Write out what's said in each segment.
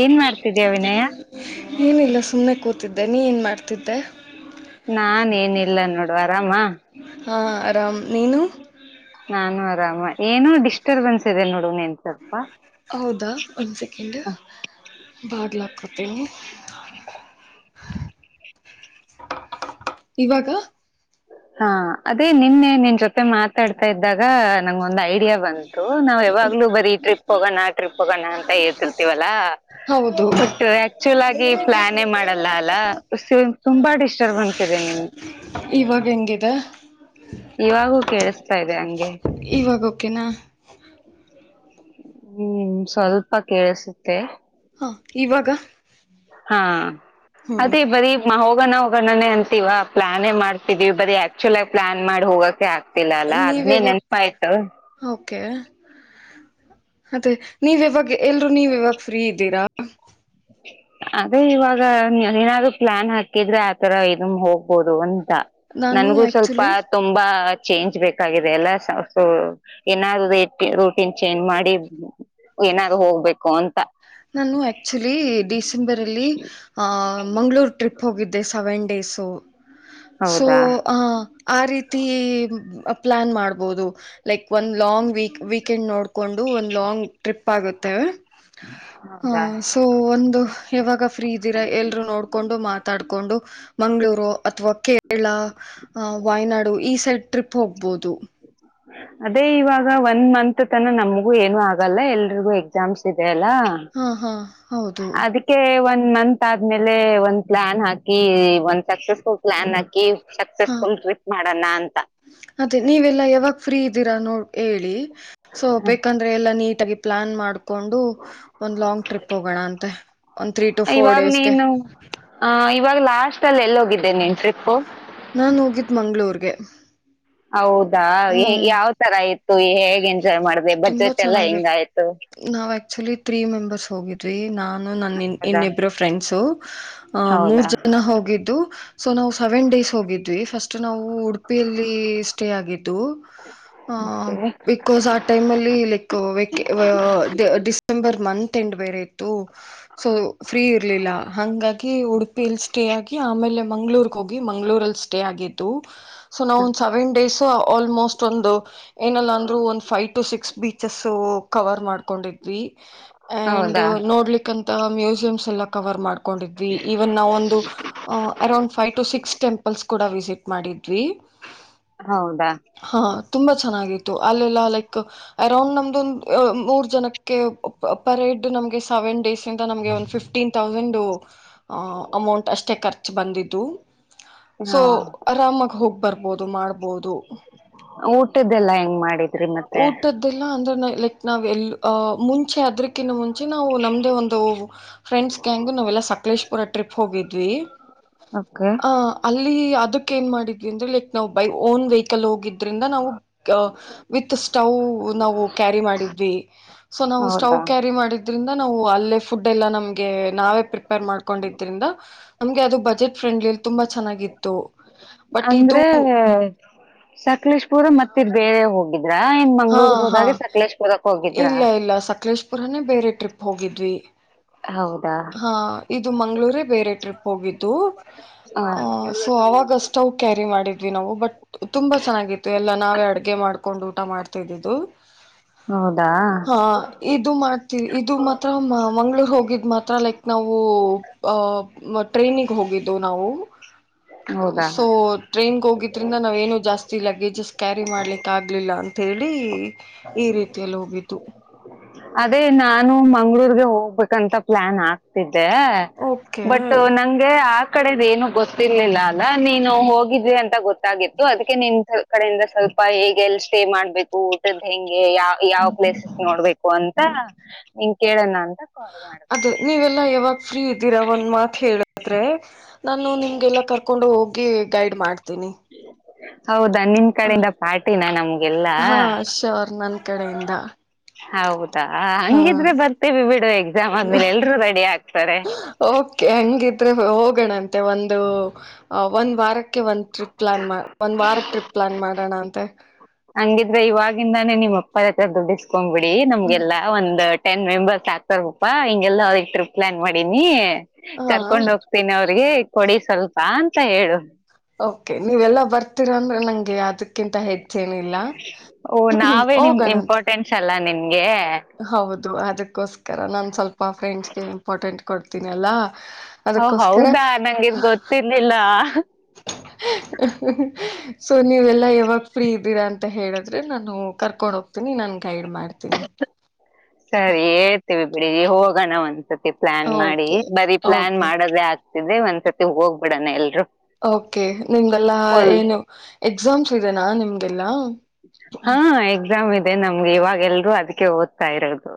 ಏನ್ ಮಾಡ್ತಿದ್ಯಾ ವಿನಯ [inaudible] ಏನಿಲ್ಲ ಸುಮ್ಮನೆ ಕೂತಿದ್ದೆ ನೀ ಏನ್ ಮಾಡ್ತಿದ್ದೆ. ನಾನ್ ಏನಿಲ್ಲ ನೋಡ್ ಆರಾಮ. ಹಾ ಆರಾಮ್ ನೀನು. ನಾನು ಆರಾಮ ಏನೋ ಡಿಸ್ಟರ್ಬೆನ್ಸ್ ಇದೆ ನೋಡ ನಿನ್ [unintelligible] ಹೌದಾ ಒಂದು ಸೆಕೆಂಡ್ ಬಾಗಲಾಕೋತೀನಿ ಹ್ಮ ಇವಾಗ ಹಾ ಅದೇ ನಿನ್ನೆ ನಿನ್ ಜೊತೆ ಮಾತಾಡ್ತಾ ಇದ್ದಾಗ ನಂಗ ಒಂದ್ ಐ ಡಿಯಾ ಬಂತು ನಾವ್ ಯಾವಾಗಲೂ ಬರೀ ಈ ಟ್ರಿಪ್ ಹೋಗೋಣ ಆ ಟ್ರಿಪ್ ಹೋಗೋಣ ಅಂತ ಹೇಳ್ತಿಲ್ತೀವಲ್ಲಾ ಹೌದು ಒಟ್ಟು ಆಕ್ಚುಲ್ ಆಗಿ ಪ್ಲಾನೇ ಮಾಡಲ್ಲ ಅಲ್ಲ ತುಂಬಾ ಡಿಸ್ಟರ್ಬ್ ಅನ್ಸ್ ಇದೆ ನಿನ್ಗೆ ಇವಾಗ ಹೆಂಗಿದೆ ಇವಾಗೂ ಕೇಳಿಸತಾ ಇದೆ ಹಂಗೆ ಇವಾಗೋಕೆನಾ ಹ್ಮ್ ಸ್ವಲ್ಪ ಕೇಳಸುತ್ತೆ ಹಾ ಇವಾಗ ಹಾ ಹ್ಞೂ ಅದೇ ಬರೀ ಹೋಗಣ ಹೋಗಣಾನ ಅಂತಿವವ ಪ್ಲಾನೇ ಮಾಡ್ತಿದೀವಿ ಬರೀ ಆಕ್ಚುಲ್ ಆಗಿ ಪ್ಲಾನ್ ಮಾಡಿ ಹೋಗೋಕ್ಕೆ ಆಗತಿಲ ಗೊತ್ತಿಲ್ಲ ಅಲ್ಲಾ ನೀವು ಹದ್ನೇ ಯಾವಾಗ ನೆನಪಾಯಯ್ತು ಓಕೆ ಅತ್ತೇ ನೀವ ಯಾವಾಗ ಎಲ್ರು ನೀವ್ ಯಾವಾಗ ಫ್ರೀ ಇದ್ದೀರಾ ಅದೇ ಇವಾಗ ಏನಾದ್ ಪ್ಲಾನ್ ಹಾಕಿದ್ರೆ ಆತರ ಇದಮ ಹೋಗ್ಬೋದು ಒಂದ ನಾನು ನನ್ಗೂ ಸ್ವಲ್ಪ ಆ್ಯಕ್ಚುಲಿ ತುಂಬಾ ಚೇಂಜ್ ಬೇಕಾಗಿದೆ ಎಲ್ಲ ಏನಾದ್ರೂ ರೂಟೀನ್ ಚೇಂಜ್ ಮಾಡಿ ಏನಾದ್ರು ಹೋಗ್ಬೇಕು ಅಂತ ನಾನು ಆಕ್ಚುಲಿ ಡಿಸೆಂಬರ್ ಅಲ್ಲಿ ಆ ಮಂ್ಗಳೂರು ಟ್ರಿಪ್ ಹೋಗಿದ್ದೆ ಸೆವೆನ್ ಡೇಸು ಸೋ ಹೌದಾ ಆ ರೀತಿ ಪ್ಲಾನ್ ಮಾಡ್ಬಹುದು ಲೈಕ್ ಒಂದ್ ಲಾಂಗ್ ವೀಕ್ ವೀಕೆಂಡ್ ನೋಡ್ ಕೊಂಡು ಒಂದ್ ಲಾಂಗ್ ಟ್ರಿಪ್ ಆಗುತ್ತೇವೆ ಹ ಹೌದಾ ಸೊ ಒಂದು ಯಾವಾಗ ಫ್ರೀ ಇದ್ದೀರ ಎಲ್ಲರೂ ನೋಡಿಕೊಂಡು ಮಾತಾಡಿಕೊಂಡು ಮಂಗಳೂರು ಅಥವಾ ಕೇರಳ ವಾಯ್ನಾಡು ಈ ಸೈಡ್ ಟ್ರಿಪ್ ಹೋಗ್ಬಹುದು ಅದೇ ಇವಾಗ ಒನ್ ಮಂತ್ ತನ ನಮಗೂ ಏನು ಆಗಲ್ಲ ಎಲ್ರಿಗೂ ಎಕ್ಸಾಮ್ಸ್ ಇದೆ ಅಲ್ಲ ಹಾ ಹಾ ಹೌದು ಕೇ ಒಂದು ಮಂತ್ ಆದ್ಮೇಲೆ ಒಂದ್ ಪ್ಲ್ಲಾನ್ ಹಾಕಿ ಒಂದ್ ಸಕ್ಸಸ್ಫುಲ್ ಪ್ಲಾನ್ ಹಾಕಿ ಹಾ ಸಕ್ಸಸ್ಫುಲ್ ಟ್ರಿಪ್ ಮಾಡೋಣ ಅಂತ ಅದೇ ನೀವೆಲ್ಲಾ ಯಾವಾಗ ಫ್ರೀ ಇದ್ದೀರಾ ನೋಡಿ ಹೇಳಿ ಸೊ ಬೇಕ ಎಲ್ಲಾ ನೀಟ ಆಗಿ ಪ್ಲಾನ್ ಮಾಡ್ಕೊಂಡು ಒಂದ್ ಲಾಂಗ್ ಟ್ರಿಪ್ ಹೋಗೋಣ ಅಂತೆ ಒಂದ ತ್ರೀ ಟು ಫೋರ್ ಡೇಸ್ಗೆ ಹ ಇವಾಗ ಲಾಸ್ಟ್ ಅಲ್ಲಿ ಎಲ್ಲಿ ಹೋಗಿದ್ದೆನೆನ್ ಟ್ರಿಪ್ ನಾ ಹೋಗಿದ್ದ ಮಂಗ್ಗಳೂರ್ಗೆ ಹೌದಾ ಹ ಹ್ಮ್ ಯಾವ್ ತರ ಆಯ್ತು ಹೇಗ್ ಎಂಜಾಯ್ ಮಾಡಿದೆ ತುಂಬಾ ಬಜೆಟ್ ಎಲ್ಲಾ ಚೆನ್ನಾಗಿತ್ತು ಹೆಂಗಾಯ್ತು ನಾವ್ ಆಕ್ಚುಲಿ ತ್ರೀ ಮೆಂಬರ್ಸ್ ಹೋಗಿದ್ದವಿ ನಾನು ನನ್ನ ಹೌದಾ ಇನ್ನಿಬ್ಬರು ಫ್ರೆಂಡ್ಸು ಅಹ ಮೂರ್ ಹೌದಾ ಜನ ಹೋಗಿದ್ದು ಸೊ ನಾವು ಸೆವೆನ್ ಡೇಸ್ ಹೋಗಿದ್ವಿ ಫಸ್ಟ್ ನಾವು ಉಡುಪಿಯಲ್ಲಿ ಸ್ಟೇ ಆಗಿದ್ದು ಹ ಬಿಕಾಸ್ ಆ ಟೈಮಲ್ಲಿ ಲೈಕ್ ವ ಡಿಸೆಂಬರ್ ಮಂತ್ ಎಂಡ್ ಬೇರೆ ಇತ್ತು ಸೊ ಫ್ರೀ ಇರ್ಲಿಲ್ಲ ಹಂಗಾಗಿ ಹಡ್ ಪಿಲ್ ಸ್ಟೇ ಆಗಿ ಆಮೇಲೆ ಮಂಗ್ಳೂರ್ಗೆ ಹೋಗಿ ಮಂಗ್ಗಳೂರಲ್ಲಿ ಸ್ಟೇ ಆಗಿದ್ದು ಸೊ ನಾವ ಒಂದ ಸೆವೆನ್ ಡೇಸ್ ಆಲ್ಮೋಸ್ಟ್ ಒಂದು ಏನಲ್ಲ ಅಂದ್ರರು ಒಂದ್ five to six beaches cover ಮಾಡ್ಕೊಂಡಿದ್ವಿ ಅಂಡ್ ಹೌದಾ ನೋಡ್ಲಿಕ್ಕಂತ ಮ್ಯೂಸಿಯಮ್ಸ್ ಎಲ್ಲ ಕವರ್ ಮಾಡ್ಕೊಂಡಿದ್ವಿ ಇವನ್ ನಾವ ಒಂದು around five to six temples ಕೂಡ ವಿಸಿಟ್ ಮಾಡಿದ್ವಿ ಹೌದಾ ಹಾ ತುಂಬಾ ಚೆನ್ನಾಗಿತ್ತು ಅಲ್ಲೆಲ್ಲ ಲೈಕ್ ಅರೌಂಡ್ ನಮ್ದೊಂದ ಮೂರ್ ಜನ ಪರೇಡ್ ನಮಗೆ ಸೆವೆನ್ ಡೇಸ್ ಇಂದ ನಮಗೆ one fifty fifteen thousand amount ಅಷ್ಟೇ ಖರ್ಚು ಬಂದಿದ್ದು ಸೊ ಹಾ. ಆರಾಮಾಗ ಹೋಗ್ ಬರ್ಬೋದು ಮಾಡ್ಬೋದು ಊಟದ್ದೆಲ್ಲಾ ಹೆಂಗ್ ಮಾಡಿ ಊಟದ್ದಲ್ಲ ಅಂದ್ರೆ ಲೈಕ್ ನಾವ್ ಎಲ್ ಮುಂಚೆ ಅದ್ರಕ್ಕಿನ್ನ ಮುಂಚೆ ನಾವು ನಮ್ದ ಒಂದು ಫ್ರೆಂಡ್ಸ್ಗೆ ಹೆಂಗು ನಾವೆಲ್ಲಾ ಸಕಲೇಶ್ಪುರ ಟ್ರಿಪ್ ಹೋಗಿದ್ವಿ ಓಕೆ ಆ ಅಲ್ಲಿ ಅದಕ್ ಏನ್ ಮಾಡಿದ್ವಿ ಅಂದ್ರೆ ಲೈಕ್ ನಾವು ಬೈ ಓನ್ ವೆಹಿಕಲ್ ಹೋಗಿದ್ರಿಂದ ನಾವು ವಿತ್ ಸ್ಟೌವ್ ನಾವು ಕ್ಯಾರಿ ಮಾಡಿದ್ವಿ ಸೊ ನಾವು ಸ್ಟವ್ ಹೌದಾ ಕ್ಯಾರಿ ಮಾಡಿದ್ ಇದ್ರಿಂದ ನಾವು ಅಲ್ಲೇ ಫುಡ್ ಎಲ್ಲಾ ನಮ್ಗೆ ನಾವೇ ಪ್ರಿಪೇರ್ ಮಾಡ್ಕೊಂಡಿದ್ರಿಂದ ನಮ್ಗೆ ಅದು ಬಜೆಟ್ ಫ್ರೆಂಡ್ಲಿಲ್ಲಿ ತುಂಬಾ ಚೆನ್ನಾಗಿತ್ತು ಬಟ್ ಇದು [inaudible] ಸಕಲೇಶ್ ಪುರ ಮತ್ತೆ ಬೇರೆ ಹೋಗಿದ್ರ ಇನ್ ಹಾ ಮಂಗಳೂರುಗು ಹಾ ಹೋದಾಗೆ ಸಕಲೇಶ್ ಪುರಕ್ ಹೋಗಿದ್ರ ಇಲ್ಲ ಇಲ್ಲ ಸಕಲೇಶ್ ಪುರಾನೇ ಬೇರೆ ಟ್ರಿಪ್ ಹೋಗಿದ್ವಿ ಹೌದಾ ಹಾ ಇದು ಮಂಗ್ಳುರೇ ಬೇರೆ ಟ್ರಿಪ್ ಹೋಗಿದ್ದು ಹ ಸೊ ಅವಾಗ ಸ್ಟೋವ್ ಕ್ಯಾರಿ ಮಾಡಿದ್ವಿ ವಿ ನಾವು ಬಟ್ ತುಂಬಾ ಚೆನ್ನಾಗಿತ್ತು ಎಲ್ಲಾ ನಾವೇ ಅಡ್ಗೆ ಮಾಡ್ಕೊಂಡು ಊಟ ಮಾಡ್ತಾ ಇದಿದ್ದು ಹೌದಾ ಹ ಇದು ಮಾಡ್ತೀವಿ ಇದು ಮಾತ್ರ ಮಂಗ್ಳುರ್ಗೆ ಹೋಗಿದ್ದ ಮಾತ್ರ ಲೈಕ್ ನಾವು ಆ ಟ್ರೈನ್ಗೆ ಹೋಗಿದ್ದು ನಾವು ಹೌದಾ ಸೊ ಟ್ರೈನ್ಗೆ ಹೋಗಿದ್ರಿಂದ ನಾವೇನೂ ಜಾಸ್ತಿ ಲಗ್ಗೇಜಸ್ ಕ್ಯಾರಿ ಮಾಡ್ಲಿಕ್ಕೆ ಆಗಲಿಲ್ಲ ಅಂತೇಳಿ ಈ ರೀತಿಯಲ್ಲಿ ಹೋಗಿದ್ದು ಅದೇ ನಾನು ಮಂಗ್ಳುರ್ಗೆ ಹೋಗ್ಬೇಕಂತ ಪ್ಲಾನ್ ಆಗ್ತಿದ್ದೆ ಓಕೆ ಬಟ್ ನಂಗೆ ಆ ಕಡೆದ ಏನು ಗೊತ್ತಿರ್ಲಿಲ್ಲ ಅಲ್ಲ ನೀನು ಹೋಗಿದ್ವಿ ಅಂತ ಗೊತ್ತಾಗಿತ್ತು ಅದಕ್ಕೆ ನಿನ್ ಕಡೆಯಿಂದ ಸ್ವಲ್ಪ ಹೇಗೆ ಎಲ್ಲಿ ಸ್ಟೇ ಮಾಡ್ಬೇಕು ಊಟದ ಹೆಂಗೆ ಯಾವ ಯಾವ ಪ್ಲೇಸಸ್ ನೋಡ್ಬೇಕು ಅಂತ ನಿಂಗ ಕೇಳೋಣ ಅ ಅದೇ ನೀವೆಲ್ಲಾ ಯಾವತ್ತು ಫ್ರೀ ಇದ್ದೀರ ಒಂದ್ ಮಾತ್ ಹೇಳಿದ್ರೆ ನಾನು ನಿಮಗೆಲ್ಲಾ ಕರ್ಕೊಂಡು ಹೋಗ್ ಗೆ ಗೈಡ್ ಮಾಡ್ತೀನಿ ಹೌದಾ ನಿನ್ ಕಡೆಯಿಂದ ಪಾರ್ಟಿನ ನಮ್ಗೆಲ್ಲಾ ಹಾ ಶೋರ್ ನ ಕಡೆಯಿಂದ ಹೌದಾ ಹಾ ಹಂಗಿದ್ರೆ ಬರ್ತೇವಿ ಬಿಡು ಎಕ್ಸಾಮ್ ಆದ್ಮೇಲೆ ಎಲ್ರೂ ರೆಡಿ ಆಗ್ತಾರೆ ಓಕೆ ಹಂಗಿದ್ರೆ ಹೋಗೋಣಂತೆ ಒಂದು ಅ ಒಂದ್ ವಾರಕ್ಕೆ ಒಂದ್ ಟ್ರಿಪ್ ಪ್ಲಾನ್ ಒಂದ್ ವಾರ ಟ್ರಿಪ್ ಪ್ಲಾನ್ ಮಾಡೋಣ ಅಂತೆ ಹಂಗಿದ್ರೆ ಇವಾಗಿಂದಾನೇ ನಿಮ್ಮ ಅಪ್ಪ ಹತ್ರ ದುಡ್ಡಿಸ್ಕೊಂಡ್ ಬಿಡಿ ನಮ್ಗೆಲ್ಲಾ ಒಂದ್ ಟೆನ್ ಮೆಂಬರ್ಸ್ ಆಕ್ತಾರ ಪಪಾ ಹಿಂಗೆಲ್ಲ ಅವ್ರಿಗೆ ಟ್ರಿಪ್ ಪ್ಲ್ಲಾನ್ ಮಾಡೀನಿ ಹಾ ಕರ್ಕೊಂಡ್ ಹೋಗ ತಿನ್ನವ್ರಿಗೆ ಕೊಡಿ ಸ್ವಲ್ಪ ಅಂತ ಹೇಳು ಓಕೆ ನೀವೆಲ್ಲಾ ಬರ್ತಿರಾ ಅಂದ್ರೆ ನಂಗೆ ಅದಕ್ ನಿನಗಿಂತ ಹೆಚ್ಚೇನಿಲ್ಲ- ಗು-ಹೋಗಣತ್ ಫ್ರೆಂಡ್ಸ್ ಅಲ್ಲಾ ನಿನ್ಗೆ -ಗೆ ಹೌದು ಅದಕ್ಕೋಸ್ಕರ ನಾನ್ ಸ್ವಲ್ಪ ಫ್ರೆಂಡ್ಸ್ಗೆ ಇಂಪಾರ್ಟೆಂಟ್ ಕೊಡ್ತೀನಿಲ್ಲಾ ಅದಕ್ಕೋಸ್ಕರ ನನಗಿದು ಗೊತ್ತರ್ಲಿಲ್ಲ ಆ-ಆ ಚ್-ಹ-ಹುಂ - ಸೊ ನೀವಲ್ಲಾ ಯಾವಾಗ ಫ್ರೀ ಸರಿ ಹೇಳ್ತೀವಿ ಬಿಡಿ ಹೋಗೋಣ ಒನ್ಸತಿ ಪ್ಲಾನ್ ಮಾಡಿ ಓಕೆ ಬರೀ ಪ್ಲಾನ್ ಓಕೆ ಮಾಡೋದೆ ಆಗ್ತ ಇರಿ ಒಂದ್ಸತಿ ಹೋಗ್ಬಿಡಾನ ಎಲ್ಲಾರು ಓಕೆ ನಿಮ್ಗೆಲ್ಲ ಏನು ಎಕ್ಸಾಮ್ಸ್ ಇದೆನಾ ನಿಮ್ ಹಾ ಎಕ್ಸಾಮ್ ಇದೆ ನಮ್ಗೆ ಇವಾಗ ಎಲ್ರರು ಅದಕ್ಕೆ ಓದ್ತಾ ಇರೋದು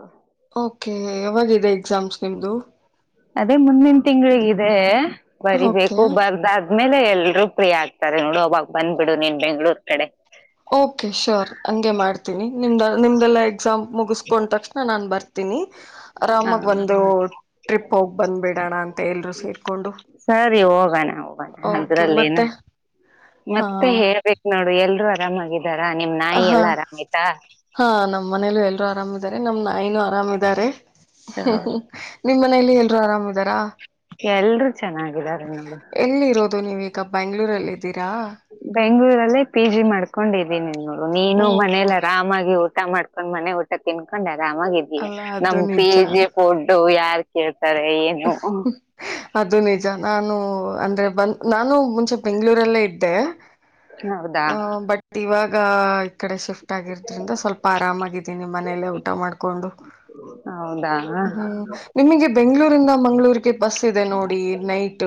ಓಕೆ ಯಾವಾಗಾಗಿದೆ ಎಕ್ಸಾಮ್ಸ್ ನಿಮ್ದು ಅದೇ ಮುಂದಿನ ತಿಂಗಗಳಿಗಿದೆ ಬರಿಬೇಕು ಓಕೆ ಬರ್ದಾಗ ಆದ್ಮೇಲೆ ಎಲ್ರೂ ಪ್ರಿಯ ಆಗ್ತಾರೆ ನೋಡು ಅವಾಗ ಬಂದ್ಬಿಡು ನೀನ್ ಬೆಂಗ್ಗಳೂರ್ ಕಡೆ ಓಕೆ ಶೋರ್ ಹಂಗೆ ಮಾಡ್ತೀನಿ ನಿಮ್ದ ನಿಮ್ದೆಲ್ಲ ಎಕ್ಸಾಮ್ ಮುಗಿಸ್ಕೊಂಡ ತಕ್ಷಣ ನಾನು ಬರ್ತೀನಿ ತನಿ ಹಾ ಆರಾಮಾಗ ಒಂದು ಟ್ರಿಪ್ ಹೋಗಿ ಬಂದ್ಬ ಬಿಡಣ ಅಂತ ಎಲ್ರು ಸೇರ್ಕೊಂಡು ಸರಿ ಹೋಗೋಣ ಹೋಗೋಣ ಓಕೆ ಅದ್ರಲ್ಲೇನ ಮತ್ತೆ ಹಾ ಮತ್ತೆ ಹೇಳ್ಬೇಕು ನೋಡು ಎಲ್ರು ಆರಾಮಾಗಿದಾರ ನಿಮ್ ನಾಯಿ ಹಾ ಎಲ್ಲಾ ಆರಾಮಯ್ತಾ ಹಾ ನಮ್ಮ್ ಮನೇಲ ಎಲ್ರು ಆರಾಮಿದಾರೆ ನಮ್ ನಾಯಿನ ಆರಾಮಿದ್ದಾರೆ ಹ್ಮ ನಿಮ್ಮ್ ಮನೇಲಿ ಎಲ್ರು ಆರಾಮಿದಾರಾ ಎಲ್ರು ಚೆನ್ನಾಗಿದ್ದಾರೆ ನೋಡು ಎಲ್ಲಿ ಇರೋದು ನೀವ ಈಗ ಬೆ್ಯಾಂಗ್ಳೂರಲ್ಲ ಇದಿದ್ದೀರಾ ಬೆಂಗ್ಳೂರಲ್ಲೇ ಪಿ ಜಿ ಮಾಡ್ಕೊಂಡಿದೀನಿ ನೋ ನೀನು ಓ ಮನಲ್ಲ ಆರಾಮಾಗಿ ಊಟ ಮಾಡ್ಕೊಂಡು ಮನೆ ಊಟ ತಿನ್ಕೊಂಡು ಆರಾಮಾಗಿ ಅಲ್ಲ ನಮ್ ಅದು ಪಿ ನಿಜ ಜಿ ಕೊಡ್ು ಯಾರ್ು ಕೇಳ್ತಾರೆ ಏ ಹ ಅದು ನಿಜ ನಾನು ಅಂದ್ರೆ ಬಂದ ನಾನು ಮುಂಚೆ ಬೆಂಗಗಳೂರಲ್ಲೇ ಇದ್ದೆ ಹೌದಾ ಹ ಬಟ್ ಬಟ್ ಇವಾಗ ಈ ಕಡೆ ಶಿಫ್ಟ್ ಆಗಿರದ್ರಿಂದ ಸ್ವಲ್ಪ ಆರಾಮಾಗಿದ್ದೀನಿ ಮನೆಯಲ್ಲೇ ಊಟ ಮಾಡ್ಕೊಂಡು ಹೌದಾ ಹ್ಮ್ ನಿಮಗೆ ಬೆಂ್ಗಳೂರಿಂದ ಮಂಗ್ಗಳೂರಿಗೆ ಬಸ್ ಇದೆ ನೋಡಿ ನೈಟ್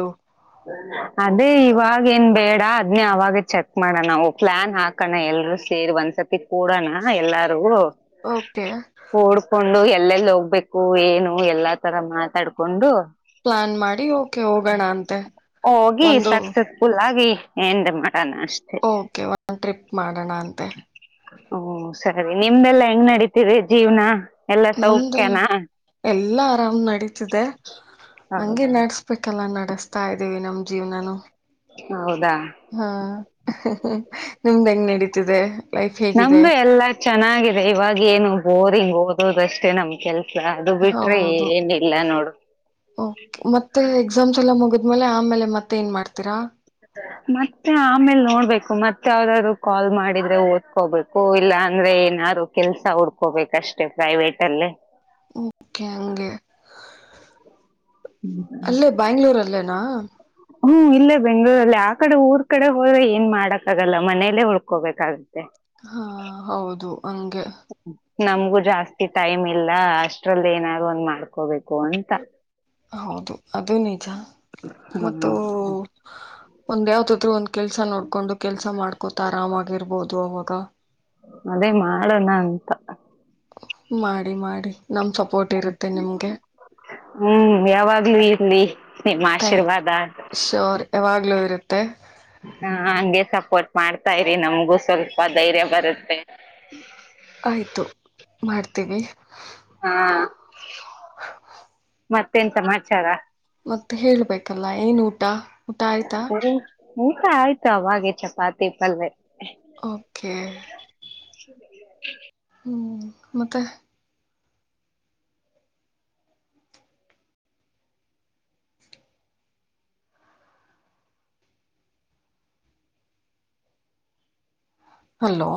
ಅದೇ ಇವಾಗೇಏನ್ ಬೇಡ ಅದ್ನೇ ಅವಾಗ ಚೆಕ್ ಮಾಡಣ ನಾವು ಪ್ಲಾನ್ ಹಾಕ್ ಅ ಕಣ ಎಲ್ರುೂ ಸೇರಿ ಒಂದ್ಸತಿ ಕೂಡಣ ಎಲ್ಲಾರು ಓಕೆ ಓಡ್ಕೊಂಡು ಎಲ್ಲೆಲ್ಲಿ ಹೋಗ್ಬೇಕು ಏನು ಎಲ್ಲಾ ತರ ಮಾತಾಡ್ಕೊಂಡು ಪ್ಲಾನ್ ಮಾಡಿ ಓಕೆ ಹೋಗೋಣ ಅಂತೆ ಒಂದು ುಲ್ಗಿ ಏನ್ ಮಾಡೋಣ ಅಷ್ಟ ಓಕೆ ಒಂದು ಟ್ರಿಪ್ ಮಾಡೋಣ ಅಂತೆ ಹ್ಮ ಸರಿ ನಿಮ್ದೆಲ್ಲಾ ಹೆಂಗ್ ನಡತಿದೆ ಜೀವ್ನ ನಮ್ದಲ್ಲ ಎಲ್ಲಾ ಆರಾಮ್ ನಡೀತಿದೆ ಹಂಗಗೆ ಹೌದಾ ನಡ್ಸ್ ಬೆಲ್ಲ ನಡೆಸ್ತಾ ಇದ್ದೇವಿ ನಮ್ ಜೀವನನು ಹೌದಾ ಹಾ ನಿಮ್ದ ಹೆಂಗ ನಡೀತಿದೆ ಲೈಫ್ ಹೇಗಿದೆ ನಮ್ದು ಎಲ್ಲಾ ಚೆನ್ನಾಗಿದೆ ಇವಾಗ ಏನು ಬೋರಿಂಗ್ ಓದೋದಷ್ಟೇ ನಮ್ ಕೆಲ್ಸ ಅದು ಬಿಟ್ರೆ ಏನ ಇಿಲ್ಲ ನೋಡು ಓ ಮತ್ತೆ ಎಕ್ಸಾಮ್ಸ್ ಎಲ್ಲ ಮುಗಿದ್ಮೇಲೆ ಆಮೇಲೆ ಮತ್ತೆ ಏನ್ ಮಾಡ್ತೀರಾ ಹ ಮತ್ತೆ ಆಮೇಲ್ ನೋಡ್ಬೇಕು ಮತ್ತೆ ಯಾವ್ದಾದ್ರು ಕಾಲ್ ಮಾಡಿದ್ರೆ ಓದ್ಕೋಬೇಕು ಇಲ್ಲ ಅಂದ್ರೆ ಏನಾರು ಕೆಲಸ ಹುಡಕೋಬೇಕು ಅಷ್ಟೇ ಪ್ರೈವೆಟ್ ಅಲ್ಲಿ ಓಕೆ ಹಂಗೆ ಅಲ್ಲೇ ಬೆಂಗಳೂರು ಅಲ್ಲೇನಾ. ಹ್ಮ್ ಇಲ್ಲೇ ಬೆಂಗಳೂರಲ್ಲಿ ಆ ಕಡೆ ಊರ ಕಡೆ ಹೋದ್ರೆ ಏನ ಮಾಡಕ್ಕಾಗಲ್ಲ ಮನೆಯಲ್ಲೇ ಉಳ್ಕೋಬೇಕಾಗತ್ತೆ. ಹಾ ಹೌದು ಹಂಗೆ ನಮ್ಗು ಜಾಸ್ತಿ ಟೈಮ್ ಇಲ್ಲ ಅಷ್ಟ್ರಲ್ಲಿ ಏನಾದರೂ ಒಂದ ಮಾಡ್ಕೋಬೇಕು ಅಂತ. ಹೌದು ಅದು ನಿಜ ಹಾ ಮತ್ತು ಒಂದ ಯಾವ್ದಾದರೂ ಒಂದ. ಕೆಲಸ ನೋಡಕೊಂಡು ಕೆಲಸ ಮಾಡ್ಕೋತಾ ಆರಾಮಾಗಿರ್ಬೋದು ಅವವಾಗ ಅದೇ ಮಾಡೋಣ ಅಂತ ಮಾಡಿ ಮಾಡಿ. ನಮ್ ಸಪೋರ್ಟ್ ಇರುತ್ತೆ ನಿಮ್ಗೆ ಹ್ಮ್ ಯಾವಾಗ್ಲೂ ಇರ್ಲಿ ನಿಮ್ಮ ಆಶೀರ್ವಾದ. ಶೋರ ಯಾವಾಗ್ಲೂ ಇರುತ್ತೆ. ಹಾ ಹಂಗೆ ಸಪೋರ್ಟ್ ಮಾಡ್ತಾ ಇರಿ ನಮ್ಗೂ ಸ್ವಲ್ಪ ಧೈರ್ಯ ಬರುತ್ತೆ. ಆಯಿತು ಮಾಡ್ತೀವಿ. ಹ್ಮ ಮತ್ತೇನ ಸಮಾಚಾರ? ಮತ್ತೆ ಹೇಳ್ಬೇಕಲ್ಲ ಏನ್ ಊಟ ಊಟ ಆಯ್ತಾ ಊಟ ಆಯ್ತು ಅವಗೆ ಚಪಾತಿ, ಪಲ್ಯ. ಓಕೆ ಹ ಹ್ಞ ಮತ್ತೆ? ಹಲೋ.